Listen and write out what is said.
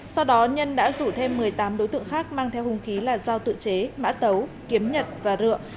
sau đó nhân đã rủ thêm một mươi tám đối tượng khác mang theo hùng khí là giao tự chế mã tấu kiếm nhật và rượu